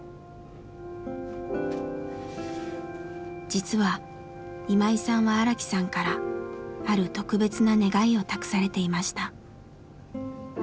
実は今井さんは荒木さんからある特別な願いを託されていました。